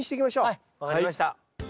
はいわかりました。